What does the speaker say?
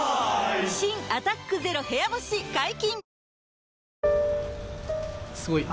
新「アタックＺＥＲＯ部屋干し」解禁‼